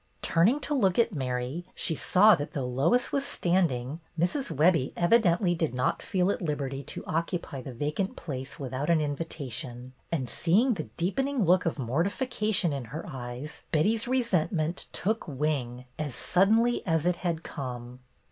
Turning to look at Mary, she saw that though Lois was still standing, Mrs. Webbie evidently did not feel at liberty to occupy the vacant place without an invitation, and seeing the deepening look of mortification in her eyes, Betty's resentment took wing as suddenly as it had come.